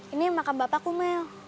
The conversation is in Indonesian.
ini makam bapakku mel